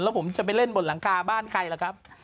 แล้วผมจะไปเล่นบนหลังคาบ้านใครล่ะครับ